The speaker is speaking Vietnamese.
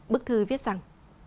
bức thư viết rằng